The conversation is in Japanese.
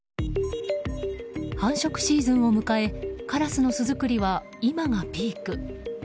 繁殖シーズンを迎えカラスの巣作りは今がピーク。